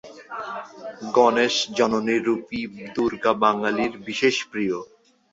গণেশ-জননীরূপী দুর্গা বাঙালির বিশেষ প্রিয়।